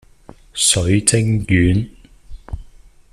水晶丸